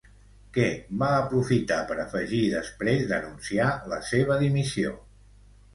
Què va aprofitar per afegir després d'anunciar la seva dimissió?